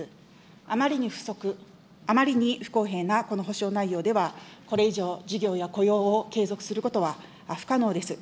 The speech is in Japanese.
あまりに不足、あまりに不公平なこの補償内容では、これ以上事業や雇用を継続することは不可能です。